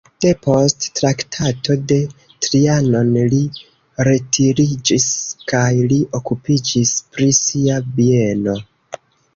Depost Traktato de Trianon li retiriĝis kaj li okupiĝis pri sia bieno.